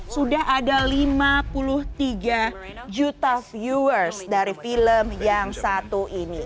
sudah ada lima puluh tiga juta viewers dari film yang satu ini